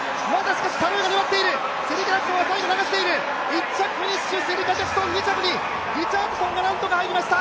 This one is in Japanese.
１着フィニッシュ、シェリカ・ジャクソン、２着にリチャードソンがなんとか入りました。